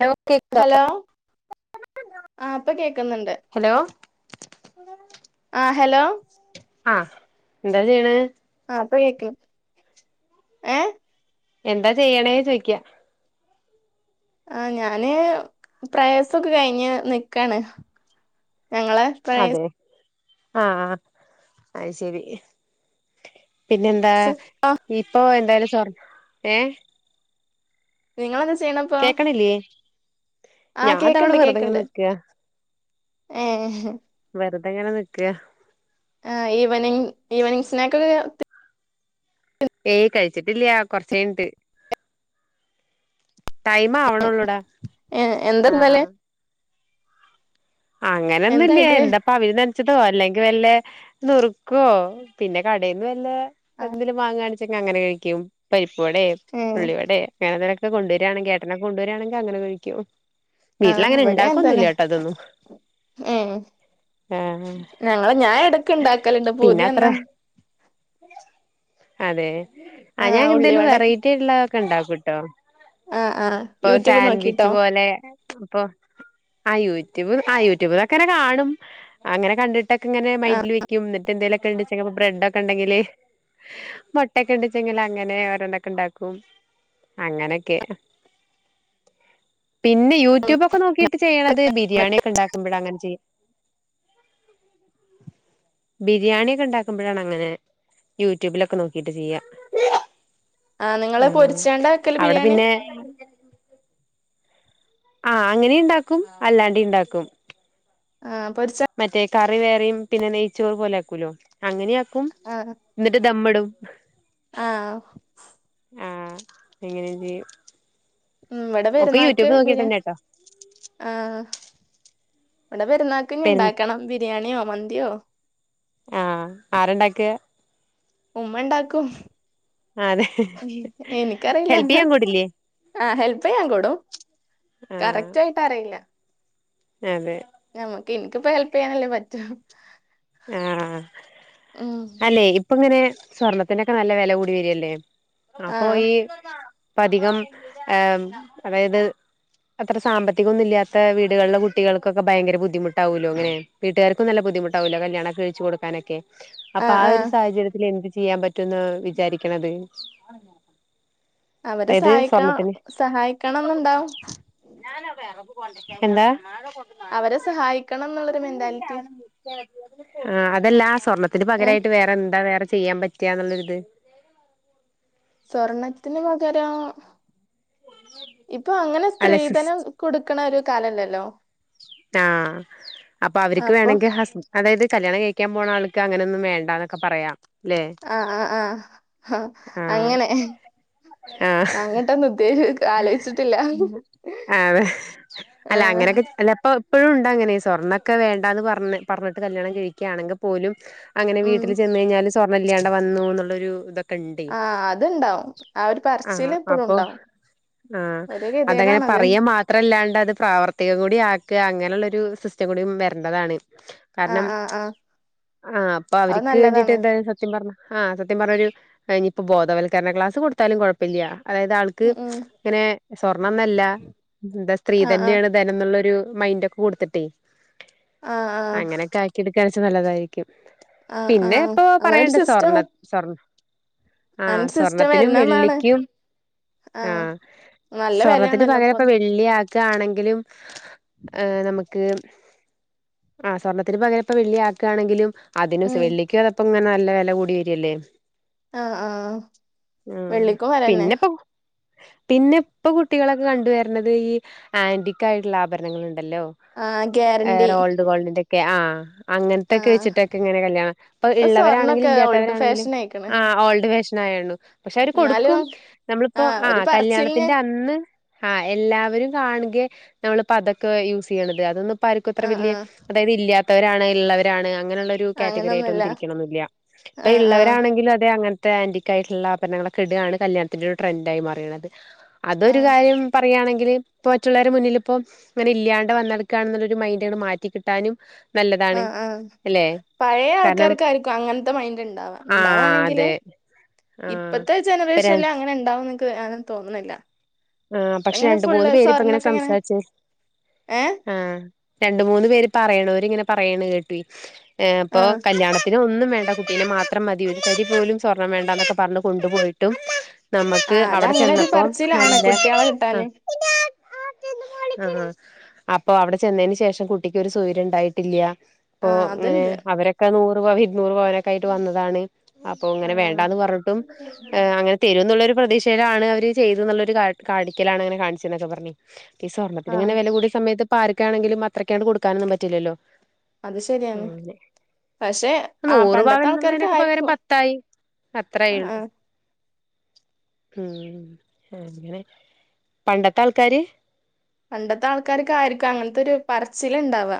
Hello കേ hello ആ ഇപ്പം കേക്കുന്ന്ണ്ട് ഹലോ ആ ഹലോ ആഹ് എന്താ ചെയ്യ്ണേ ഇപ്പം കേക്ക്ണ്‌ ഏ എന്താ ചെയ്യണേ ചോയ്ക്ക്യ ആ ഞാന് പ്രയാസൊക്കെ കഴിഞ്ഞ് നിക്കാണ് ഞങ്ങളെ പ്ര ആ അയ്ശരി. പിന്നെന്താ ഇപ്പൊ എ [unintelligible] ഏ? നിങ്ങളങ്ങ് സ് കേക്ക്ണില്ലേ ആ ഞാതാവ്ടെ വെറുതെങ്ങനെ നിക്കാ ഏഹേ വെറുതെങ്ങനെ നിക്കാ ആ ഈവനിംഗ് ഈവനിംഗ് സ്നേകൊക്കെ [unintelligible] ഏയ് കഴിച്ചിട്ടില്ലാ കൊർച്ചൈനിട്ട് ടൈം ആവണൊള്ളുടാ ഏ ആഹാ എന്താന്നല് അങ്ങനൊന്നുല്ലൃ എന്തായിക്കല് എന്തപ്പ അവല് നന [unintelligible] അല്ലെങ്കിൽ വല്ല നുറുക്കോ പിന്നെ കടൈന്ന് ലേ ആ എന്തലും വാങ്ങ പിന്നങ്ങനെ കഴിക്കും പൈ വടെ ഏ ഉള്ളിവടെ ങ്ങനെന്തേലക്കെ ഒക്ക കൊണ്ടുരാണെങ്കിഏട്ടനെ കൊണ്ടുരാണെങ്കിൽ അങ്ങനെ കഴിക്കും. ആ വീട്ടിലങ്ങനെ ണ്ടാക്കൊന്നുല്ലാട്ട തൊന്നും ഉം ഞങ്ങള് ഞാ എടക്ക് ഇണ്ടാക്കലണ്ട് പിന്നെ അത്ര പൂതിയന്നാ അതെ ആ ഞാനെന്തേലും വെറൈറ്റിയുള്ള ഓക്കെ ണ്ടാക്കൂട്ടോ അഹ് അഹ് യൂട്യൂബ് നോക്കിട്ടോ അപ്പൊ അ യൂട്യൂബ് അ യൂട്യൂബിലൊക്കെങ്നെ കാണും അങ്ങനെ കണ്ടിട്ട് [unintelligible] അങ്ങനെ ആ മൈൻ്റില് വെക്കും ന്നിട്ട എന്തൊലെക്കെണ്ട്ചെങ്ങ ബ്രെഡക്കണ്ടങ്കില് മൊട്ടക്കെണ്ട് ചെങ്കിൽ അങ്ങനെ ഓരോനൊക്കെണ്ടാക്കും അങ്ങനക്കെ പിന്നെ യൂട്യൂ യൂട്യൂബ് ഒക്കെ നോക്കയിട്ട് ചെയ്യണത് ബിരിയാണി കൊണ്ടാക്കുമ്പോഴ അങ്ങനെ ചെയ്യ ബിരിയാണിയൊക്കെ ഉണ്ടാക്കുമ്പോഴാണ് അങ്ങനെ യൂട്യൂബിലൊക്കെ നോക്കിട്ട് ചെയ്യ ആ നിങ്ങള് പൊരിച്ചാണ്ടാക്കല് ബിരിയാണി പിന്നെ ആ അങ്ങനെണ്ടാക്കും അല്ലാണ്ടി ഉണ്ടാക്കും ആഹ് പൊരിച്ച മറ്റേ ക കറിവേറയും പിന്നെ നെയ്ച്ചോറ് പോലെവെക്കോലൊ അങ്ങനെയാ [unintelligible] ആഹ് എന്നിട്ട് ദമ്മടും ഉ ആഹ് ആ എങ്ങനെ ചെയ്യും ഉം ഇവിടെ ഒക്കെ പെരുന്നാക്ക് യൂട്യൂബ് ബിരിയാണി നോക്കിട്ടെന്നെട്ടോ ആഹ് ഇവിടെ പെരുന്നാൾക്ക് ഇഞ് പെര് ഉണ്ടാക്കണം ബിരിയാണിയോ മന്തി തിയോ? ആ ആരുണ്ടാക്ക? ഉമ്മ ഉണ്ടാക്കും. ആ അതെ എനിക്കറിയില്ല ഹെൽപ് ചെയ്യാൻ കൂടില്ലേ ആ ഹെൽ പ്പ് ചെയ്യാൻ കൂടും. ആഹ് കറക്റ്റ് ആയിട്ട് അറിയില്ല. അതെ. എനിക്കിപ്പം ഹെല്പ് ചെയ്യാനല്ലേ പറ്റു. ആ അല്ലെ ഇപ്പം ഇങ്ങനെ സ്വർണ്ണത്തിനൊക്കെ നല്ല വില കൂടി വരിയല്ലേ? അപ്പൊ ആഹ് ഈ അപ്പ അധികം അതായത് അത്ര സാമ്പത്തികക്കൊന്നും ഇല്ലാത്ത വീടുകളുള്ള കുട്ടികൾക്കൊക്കെ ഭയങ്കര ബുദ്ധിമുട്ടാവല്ലോ അങ്ങനെ വീട്ടുകാർക്കും നല്ല ബുദ്ധിമുട്ടാവല്ലോ കല്യാണം കഴിച്ചു കൊടുക്കാനൊക്കെ അപ്പൊ ആഹ് ആ ഒരു ആഹ് സാഹചര്യത്തിൽ എന്ത് ചെയ്യാൻ പറ്റുന്ന് വിചാരിക്കണത് അവരെ അതായത് സഹായിക്കണം സ്വർണത്തിന് സഹായിക്കണം ന്നുണ്ടാകും എന്താ സഹായിക്കണം എന്നുള്ളൊരു മെന്റാലിറ്റി ആ അതല്ല ആ സ്വർണത്തിന് ഏഹ് പകരട്ട് വേറെ എന്താ വേറെ ചെയ്യാൻ പറ്റിയന്നുള്ളൊരിത് സ്വർണത്തിന് പകരം ഇപ്പൊ അ അങ്ങനെ അല്ല സ്ത്രീധനം കൊടുക്കണ ഒരു കാലല്ലല്ലോ ആ അപ്പൊ അവർക്ക് വേണെങ്കിൽ ഹസ്ബ അതായത് കല്യാണം കഴിക്കാൻ പോണ ആൾക്ക് അങ്ങനൊന്നും വേണ്ടന്നൊക്കെ പറയാം ല്ലേ ആ ആ ആ ആഹ് അങ്ങനെ ആഹ് അങ്ങട്ടൊന്നും ഉദ്ദേശു ആലോചിച്ചിട്ടില്ല ആ ഇപ്പയും ഉണ്ട് അങ്ങനെ സ്വർണ്ണൊക്കെ വേണ്ട എന്ന് പറഞ് പറഞ്ഞിട്ട് കല്യാണം കഴിക്കുകയാണെങ്കിൽ പോലും അങ്ങനെ ഉം വീട്ടില് ചെന്ന് കഴിഞ്ഞാല് സ്വർണ്ണം ഇല്ലാണ്ട് വന്നു എന്നുള്ളൊരു ഇത ക്കെണ്ടേ ആ അതുണ്ടാവും ആ ഒരു ആ പറച്ചില് എപ്പോഴും അപ്പൊ ഉണ്ടാവും ആ ഒരു അതങ്ങനെ ഗതികേടാണത് പറയാ മാത്രല്ലാണ്ട് അത് പ്രാവർത്തികം കൂടി ആ ക്കിയാ അങ്ങനെയുള്ളൊരു സിസ്റ്റം കൂടി വരേണ്ടതാണ് ആ കാരണം ആ ആ ആ അപ്പ അത് അവരിക്ക് വേണ്ടിട്ട് നല്ലതാണ് എന്താണ് സത്യം പറഞ്ഞ ആ സത്യം പറഞ്ഞൊരു ഇനിയിപ്പോ ബോധവൽക്കരണ ക്ലാസ് കൊടുത്താലും കൊഴപ്പില്ല അതായത് ആൾക്ക് ഉം ഉം ഇങ്ങനെ സ്വർണ്ണ ന്നല്ല എന്താ സ്ത്രീ ആ ആ തന്നെയാണ് ധനം എന്നള്ളൊരു മൈന്റ് ഒക്കെ കൊടുത്തിട്ടേ ആ ആ അങ്ങനൊക്കെ ആക്കിടു കൊടുക്കാച്ച നല്ലതായിരിക്കും ആ ആ പിന്നെ ഇപ്പൊ അങ്ങനൊരു പറയണ്ട് സിസ്റ്റം സ്വർണ്ണ് സ്വർ ആ അങ്ങനെ സിസ്റ്റം സ്വർണത്തിനും വരണമെന്നാണ് വെള്ളിക്കും ആ നല്ല സ്വർണത്തിന് വിലയാണല്ലോ പകരം ഇപ്പൊ ഇപ്പ വെള്ളിയാ യാണെങ്കിലും ഏഹ് നമുക്ക് ആ സ്വർണത്തിന് പകരം ഇപ്പ വെള്ളിയാക്കായാണെങ്കിലും അതിന് ഉം സ്വ വെള്ളിക്കു വന്നപ്പ ഇങ്ങന ല്ല വില കൂടി വര്യല്ലേ ആ ആ ഉം വെള്ളിക്കും വെലന്നെ പിന്നെ ഇപ്പൊ പിന്നെ ഇപ്പൊ കുട്ടികളൊക്കെ കണ്ടുവര്നത് ഈ ആന്റിക്കായിട്ടുള്ള ആഭര ണങ്ങള് ണ്ടല്ലോ ആ ഏഹ് ഗ്യാരണ്ടി റോഡ് ഗോൾഡിന്റെ ക്കെ ആഹ് ആ അങ്ങൻത്തൊക്കെ വെച്ചിട്ടൊക്കെ ഇങ്ങനെ കല്യാണം ഇപ്പൊ ഉള്ളവരാണെങ്കിലും സ്വർണ്ണൊക്കെ ഓൾഡ് ഇല്ലാത്തവരാണങ്കിലും ഫാഷൻ ആയിക്കണ് ആ ഓൾഡ് ഫേഷ നായേണു പക്ഷെ അവര് കൊടുക്കും എന്നാലും നമ്മളിപ്പോ ആ ഒരു പറച്ചിലിന് കല്യാണത്തിന്റെ അന്ന് ആഹ് എല്ലാവരും കാൺകെ നമ്മള് പ്പ അതൊക്കെ യൂസ്യ്യണത് അതൊന്നും പ്പാര്ക്കും അത്ര ആഹ് വലിയ ആഹ് അതായത് ഇല്ല്യാ ത്തവരാണ് ഇള്ളവരാണ് അ ങ്ങനെള്ളൊരു കാറ്റഗറി ആയിട്ടൊന്നും അങ്ങനൊന്നുല്ല തിരിക്കണൊന്നുല്ല്യ. ഇപ്പൊ ആഹ് ആഹ് ഉള്ളവരാണെങ്കിൽ അതെ അങ്ങൻ ത്തെ ആൻ്റിക്കായിയിട്ട്ള്ള ആഭരണങ്ങളൊക്കെ ഇടാണ് കല്യാണത്തിന്റെ ഒരു ട്രെൻഡായി മാറീണത് അതൊരു ആഹ് കാര്യം പറയാണെങ്കിൽ ഇപ്പോ മറ്റുള്ളവരെ മുന്നിലും പ്പം ഇങ്ങനെ ഇല്ല്യാണ്ട് വന്നടുക്കാണെന്നുള്ളരു മൈൻഡാണ് മാറ്റി കിട്ടാനും ആ നല്ലതാണ് ആ അല്ലെ പഴയ കാരണം ആൾക്കാർക്കായിരിക്കും അങ്ങനത്തെ മൈൻഡ് ഉണ്ടാവാ ആ ഉണ്ടാവാണെങ്കില് അതെ ആ ഇപ്പത്തെ ഇപ്പ ര ജനറേഷനിൽ അങ്ങനെ ഉണ്ടാവുന്നു എനി ക്കും തോന്നുന്നില്ല ആഹ് പക്ഷെ രണ്ടു മൂന്നു പേരിപ്പം ഇങ്ങനെ സംസാരിച്ചേ ഏഹ് ആഹ് രണ്ടു മൂന്നു പേര് പറയണവരിങ്ങനെ പറയണ കേട്ടു ഏഹ് ആഹ് അപ്പോകല്യാണത്തിന് ഒന്നും വേണ്ട കുട്ടിനെ മാത്രം മതി ഒരു തരി പോലും സ്വർണം വേണ്ടന്നൊക്കെ പറഞ്ഞു കൊണ്ടു പോയിട്ടും നമ്മുക്ക് അവിടെ ചെന്നപ്പോ കുട്ടിയാളെകിട്ടാന് ആഹ് ആഹ് അപ്പൊ അവിടെ ചെന്നതിന് ശേഷം കുട്ടിക്കൊരു സ്വര്യം ഉണ്ടായിട്ടില്ലാ അപ്പൊ ആഹ് അങ്ങനെ അതുണ്ട് അവരൊക്കെ നോ ഇരൂറ് പവനൊക്കെ ആയിട്ട് വന്നതാണ് അപ്പൊ ഇങ്ങനെ ആഹ് വേണ്ടാന്ന് പറഞ്ഞിട്ടും അങ്ങനെ തരും എന്നുള്ളുരു പ്രതീക്ഷയിലാണ് അവര് ചെയ്തു എന്നുള്ളൊരു കാര്യം കാണിക്കലാണ് അങ്ങനെ കാണിച്ചത് എന്നൊക്കെ പറഞ്ഞു ഈ സ്വർണത്തിന് ആഹ് ഇങ്ങനെ വില കൂടിയസമയത്ത് ഇപ്പർക്കാണെകിലും അത്രക്കങ്ങടു കൊടുക്കാനൊന്നും പറ്റില്ലല്ലോ അത് ശരിയാണ് ഉം പക്ഷെ ആഹ് നൂറ് പണ്ടത്തെ പവൻ എന്നുള്ളതിനോക്കെ പകരം ആൾക്കാർക്കായിരിക്കും പത്തായി അത്ര ആഹ് ആയൊള്ളു ആഹ് ഉം അങ്ങനെ പണ്ടത്തെ ആൾക്കാര്. പണ്ടത്തെ ആൾക്കാരൊക്കെ ആയിരിക്കും അങ്ങനതൊരു പറച്ചില് ഇണ്ടവ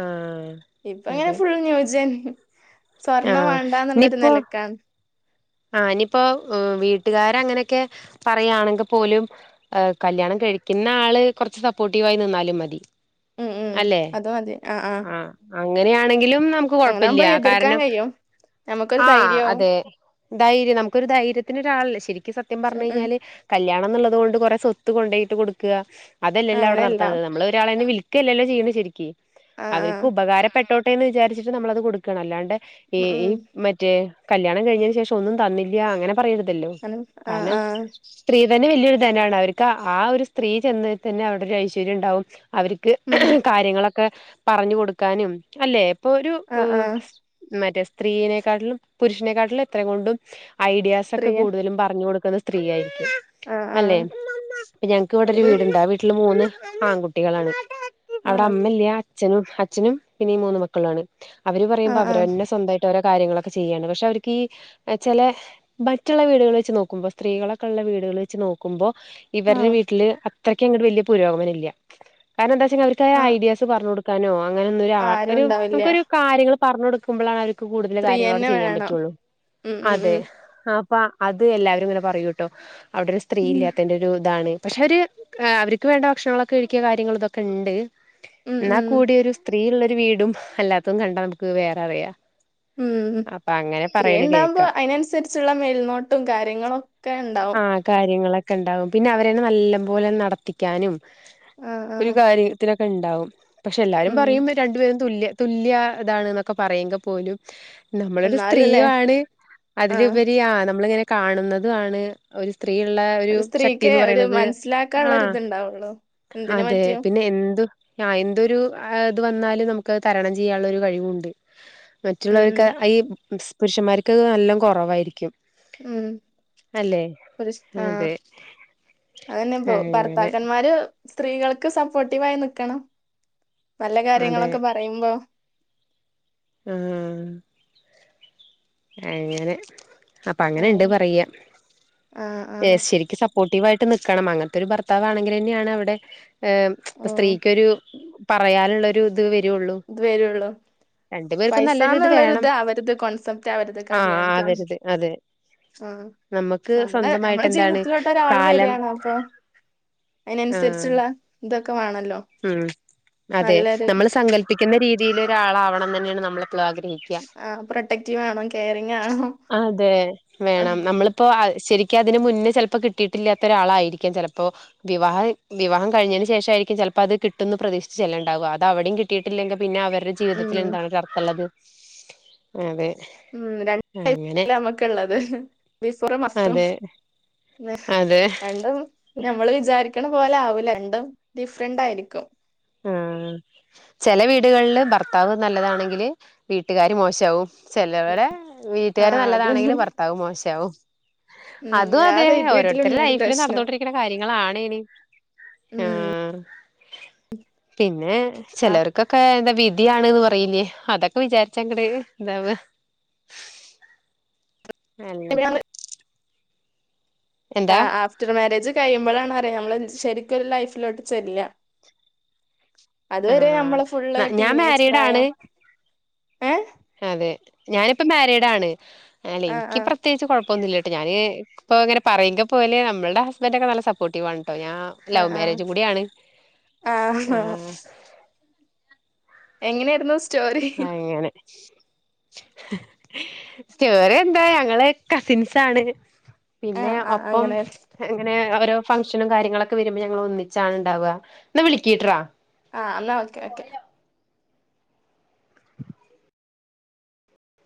ആഹ് ഇപ്പ അങ്ങനെ അതെ ഫുൾ ന്യൂജൻ സ്വർണം വേണ്ടന്നുള്ളുരു നിലക്കാണ് ആ ഇനിയിപ്പോ വീട്ടുകാര് അങ്ങനെയൊക്കെ പറയാണെങ്കിൽ പോലും കല്യാണം കഴിക്കുന്ന ആള് കുറച്ച് സപ്പോർട്ടീവ് ആയി നിന്നാലും മതി. ഉം ഉം അതു മതി ആ ആ അങ്ങനെയാണെ ക്കിലും നമുക്ക് കുഴപ്പില്ല കാരണം കഴിയും നമുക്കൊരു ആ ധൈര്യാവും അതെ ഉം നമൂക്കൊരുധൈര്യത്തിനൊരാളില്ല ശരിക്കും സത്യം ഉം പറഞ്ഞ ഉം കഴിഞ്ഞാല് കല്യാണം എന്നുള്ളത് കൊണ്ട് കുറെ സ്വത്ത് കൊണ്ടോയിട്ട് കൊടുക്കുക. അതല്ലല്ലോ അങ്ങനെയല്ല അവിടെനടത്തുന്നത് നമ്മള് ഒരാളെയൊന്ന് വിളി ഒക്കെയല്ലോലോ ശരിക്ക് ആഹ് അവർക്ക് ആഹ് ഉപകാരപ്പെട്ടോ പോട്ടെന്ന് വിചരിച്ചിട്ട് നമ്മളത് കൊടുക്കാണ് അല്ലാണ്ട്. ഈ ഉം ഈ ഉം മറ്റേ കല്യാണം കഴിഞ്ഞതിനു ശേഷം - ഒന്നും തന്നില്ല്യ അങ്ങനെ പറയരുതല്ലോ അങ്ങനെ ആഹ് കാരണം ആഹ് സ്ത്രീ തന്നെ വലിയൊരു ധനമാണ് അവർക്ക് ആ ഒരു സ്ത്രീ ചെന്ന തന്നെ അവടെ ഒരു ഐശ്വര്യം ഉണ്ടാവും അവരിക്ക് ഉം കാര്യങ്ങളൊ ക്കെ പറഞ്ഞു കൊടുക്കാനും അല്ലേ? ഇപ്പൊ ഒരു ആഹ് ആഹ് മറ്റേ സ്ത്രീയനെക്കാട്ടിലും പുരുഷനെക്കാട്ടിലും- അത്ര കൊണ്ടും- ഐഡിയാസ് ഒക്കെ സ്ത്രീയ കൂടുതലും പറഞ്ഞുകൊടു ക്കുന്നത് സ്ത്രീയായി രിക്കും ആഹ് അല്ലേ ആഹ് ഞങ്ങക്ക് ഇവിടെരു ഒരു വീടുണ്ട് ആ വീട്ടില് മൂന്ന്- ആൺ കുട്ടികളാണ്. അവിടെ ആഹ് അമ്മല്ല്യ അച്ഛനും അച്ഛനും പിന്നെ ഈ മൂന്ന് മക്കളു ആണ്. അവര് പറയുമ്പോ ആഹ് ആഹ് അവരന്നെ സ്വന്തമായിട്ട് ഓരോ - കാര്യങ്ങളൊക്കെ ചെയ്യേണ് പക്ഷേ അവർക്ക് ഈ- ചെല മറ്റുള്ള വീടുകൾ വെച്ച് നോക്കുമ്പം സ്ത്രീകളൊക്കെ ഉള്ള വീടുകൾ വെച്ച് നോക്കുമ്പോ ഇവരുടെ ആഹ് വീട്ടില് അത്രയ്ക്ക് അങ്ങ്ട് വലിയ പുരോഗമനല്ല കാരണം എന്താച്ചാ [unintelligible] അവർക്ക് ഓരോ ആഹ് ഐഡിയാസ് പറഞ്ഞ് കൊടു ക്കാനോ അങ്ങനൊന്നു ഒരാ ആരും ഒരു ഉണ്ടാവില്ല നമുക്കൊരു കാര്യങ്ങള് പറഞ്ഞു കൊടുക്കുമ്പളാണ് ആ ഒരു ക്ക് കൂടുതൽ കാര്യങ്ങൾ അവിടെ സ്ത്രീയന്നെ ചെയ്യാൻ വേണം പറ്റുള്ളൂ. ഉം ഉം അതെ ഉം അപ്പ അത് എല്ലാവരും ഇങ്ങനെ പറയൂട്ടോ അവിടെ ഒരു സ്ത്രീ ഉം ഇല്ലാത്തേന്റെ ഒരു ഇതാണ് പക്ഷെ അവര് അവർക്ക് വേണ്ട ഭക്ഷണങ്ങളൊക്കെ ഒരുക്കിയ കാര്യങ്ങൾ ഇതൊക്കെ ഇണ്ട്. ഇന്നാ ഉം കൂടിയൊരു സ്ത്രീ സ്ത്രീയുള്ളൊരു വീടും അല്ലാത്തതും കണ്ടാ നമുക്ക് വേറെ അറിയാ ഉം ഉം അപ്പൊ അങ്ങനെ പറ സ്ത്രീ ഉണ്ടകുമ്പോ അയിനനുസരിച്ചുള്ള മേൽനോട്ടവും കാര്യങ്ങളും ഒക്കെ ഇണ്ടാവും. ങ്ങളൊക്കെ ഉണ്ടാവും പിന്നെ അവരേന്നെ നല്ലം പോലെ നടത്തിക്കാനും ആഹ് ഒര് ആഹ് കാര്യത്തിനൊ ഇണ്ടാവും പക്ഷെ എല്ലാവരും ഉം പറയും രണ്ടുപേരും തുല്യം തുല്യ താണ്ന്നൊക്കെ പറയെങ്കെപ്പോലും നമ്മളൊരു സ്ത്രീ എന്നാലുംല്ലേ ആണ് ആഹ് അതിലുപരി ആ നമ്മള്ങ്ങനെ കാണുന്നതു ആണ് ഒര് സ്ത്രീയ്ള്ള ഒരു സ്ത്രീക്ക് ശക്തിന്ന് ഒരു പറയ്ണത് ആ മനസ്സിലാക്കാനുള്ള ഒരിതുണ്ടാവുള്ളു എന്തിന് അതെ പറ്റിയും പിന്നെ എന്തു ആ എന്തൊരു അ ത് വന്നാലും നമുക്കത് തരണം ചെയ്യാൻള്ളൊരു കഴിവുണ്ട്. ഉം മറ്റുള്ളവര്ക്ക് അ ഈ സ് പുരുഷന്മാര്ക്ക് നല്ലോം കൊറവായിരിക്കും. ഉം പുര്‌ഷ് ആ അതെ അ അത്‌ന്നെപ്പോ അങ്ങനെ ഭർത്താക്കന്മാര് സ്ത്രീകള്ക്ക് സപ്പോട്ടീവായി നിക്കണം. നല്ല അതെ കാര്യങ്ങളൊക്കെ പറയുമ്പോ ആ അങ്ങനെ അപ്പൊ അങ്ങനെണ്ട് ആഹ് പറയാ ആഹ് ഏ ആഹ് ശെരിക്ക് സ മോട്ടീവായിട്ട് നിക്കണം അങ്ങനത്തൊരു ഭർത്താവ് ആണെങ്കിലെന്നയാണ് അവടെ എം ഉം സ്ത്രീക്ക് ഒരു പറയാനുള്ള ഒരു ഇത് വ ഇത് വരുള്ളൂ പേർക്കും നല്ലൊരു ഇത് പൈസന്നുള്ള വേണം താവരത് കോൺസെപ്റ്റ് പറ്റത് ആഹ് കല്യാണത്തിന് ആവരുത് അതെ ആ നമുക്ക് നമ്മള സ്വന്തമായിട്ട് നമ്മടെ എന്താണ് ജീവിതത്തിലോട്ടൊരാള് കാലം വര്യാണ് അപ്പൊ ആഹ് അതിനനുസരിച്ചുള്ള തൊക്കെ വാണല്ലോ നല്ലൊരു പ്പിക്കുന്ന രീതീലൊരാളാവണം ന്നെയാണ് നമ്മളെ ആ പ്രൊട്ടക്റ്റീവ് ആണോ കെയറിങ് ആണോ അതെ വേണം നമ്മളിപ്പോ അ ശരിക്കും അതിന് മുന്നേ ചെലപ്പോ കിട്ടിയിട്ടില്ലാത്ത ഒരാളായിരിക്കും ചെലപ്പോ വിവാഹം വിവാഹം കഴിഞ്ഞതിന് ശേഷായിരിക്കും ചെലപ്പോ അത് കിട്ടുന്ന് പ്രതീക്ഷിച്ച് ചെല്ല്ണ്ടാവ അത് അവിടെയും കിട്ടയിട്ടില്ലെങ്കിൽ പിന്നെ അവ രെ ഉം ജീവിതത്തിൽ എന്താണ് അർത്ഥള്ളത് അതെ ഉം രണ്ട് അങ്ങനെ ടൈപ്പിലാണ് നമ്മക്ക്ള്ളത് [unintelligible] അതെ പിന്നെ അതെ രണ്ടും ഞമ്മൾ വിചാരിക്ക ക്കണ പോലാവൂല ണ്ടും ഡിഫ്രന്റ് ആയിരിക്കും ആ ചെല വീടുകളില് ഭർത്താവ് നല്ലതാണെങ്കില് വീട്ടുകാര് മോശമാവും ചിലവടേ ആ വീട്ടുകാര് അത് നല്ലതാണെങ്കിൽ ഭർത്താവു മോശമാവും. ഉം അതും ഞാൻ അതെ ഓരോരുത്തരു വീട്ടിലുണ്ടൊരു ലൈഫില് പ്രശ്നം നടന്നോണ്ടിരിക്കുന്ന കാര്യങ്ങളാണെനി ആ. ഉം പിന്നെ ചിലവർക്കൊക്കെ എന്താ വിധി ആണെന്ന് പറയില്ലേ അതൊക്കെ വിചാരിച്ചാങ്ങട എന്താവ അല്ല എന്താ ആഹ് അഹ് ആഫ്റ്റർ മാരേജ് കഴിയുമ്പളാണ് അറി നമ്മള്ൽ ശെരിക്കൊരു ലൈഫിലോട്ട് ചെല്ല അതുവരെ നമ്മള് ഫുള്ള് ആഹ് ഞാൻ ടീനേജ് മാരീഡാണ് പ്രായം ഏ അതെ ഞാനിപ്പ മാരേഡ്‌ ആണ് അലെയ് ആ ഇൻക്ക് ആ പ്രത്യേകിച്ച് കൊഴ് ഒന്നുല്ല ട്ടോ ഞാൻ ഇപ്പോ ഇങ്ങനെ പറയിങ്ക പോലെ അമ്മൾടെ ഹസ്ബെന്റൊക്കെ നല്ല സപ്പോർട്ടീവാണ് ട്ടോ ഞാൻ ആ ലവ്വ് ആ മാരേജും കൂടി ആണ് ആ എങ്ങനെ ആയിരുന്നു സ് അയ്ങ്ങനെ സ്റ്റോറി എന്താ ഞങ്ങള് കസിൻസാണ് ആ പിന്നെ ആ ഒപ്പം അങ്ങനെ എങ്ങനെ അഹ് ഓ ഫംഗ്ഷനും കാര്യങ്ങളൊക്കെ വരുമ്പോ ഞങ്ങള് ഒന്നിച്ചാണ് ഇണ്ടാവ ന്നാ വിളിക്കീട്ട്രാ ആഹ് അന്നാ ഓക്കെ ഓക്കെ